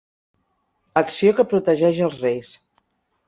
Acció que protegeix els reis.